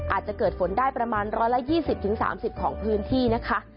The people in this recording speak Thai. อาจจะเกิดฝนได้ประมาณ๑๒๐๓๐ของพื้นที่นะคะ